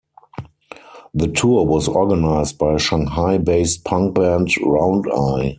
The tour was organized by Shanghai-based punk band Round Eye.